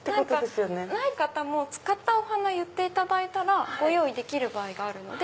ない方も使ったお花言っていただいたらご用意できる場合があるので。